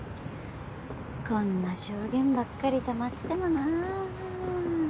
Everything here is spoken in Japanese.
こんな証言ばっかりたまってもなあ。